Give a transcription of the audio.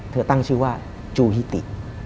ตั้งชื่อว่าจูฮิติ